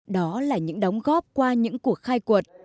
đó là những đóng góp qua những cuộc khai quật